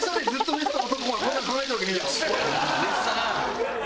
寝てたな。